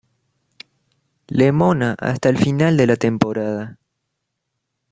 Lemona hasta el final de la temporada.